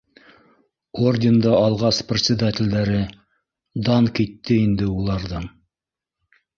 — Орден да алғас председателдәре, дан китте инде уларҙың